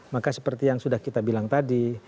maka seperti yang sudah kita bilang tadi